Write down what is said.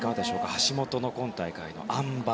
橋本の今大会のあん馬